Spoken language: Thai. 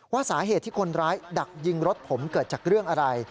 ว่าสาเหตุที่คนร้ายดักยิงรถผมเกิดจากเรื่องอะไร